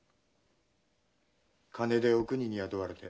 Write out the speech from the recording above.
金でお邦に雇われて。